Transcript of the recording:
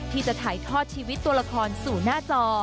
ที่จะถ่ายทอดชีวิตตัวละครสู่หน้าจอ